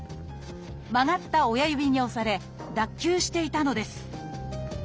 曲がった親指に押され脱臼していたのです。